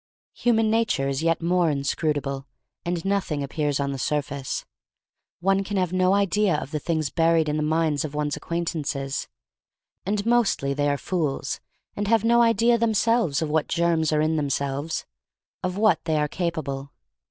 Human nature is yet more inscru table — and nothing appears on the sur face. One can have no idea of the things buried in the minds of one's acquaintances. And mostly they are fools and have no idea themselves of what germs are in themselves — of what they are capable.